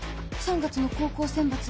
「３月の高校選抜」。